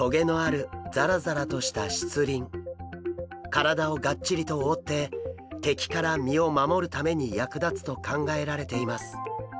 体をがっちりと覆って敵から身を守るために役立つと考えられています。